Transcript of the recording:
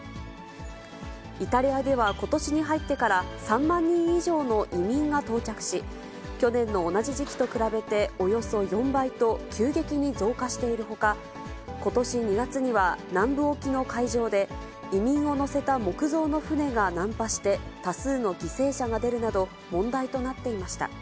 イタリアではことしに入ってから３万人以上の移民が到着し、去年の同じ時期と比べておよそ４倍と、急激に増加しているほか、ことし２月には、南部沖の海上で移民を乗せた木造の船が難破して、多数の犠牲者が出るなど、問題となっていました。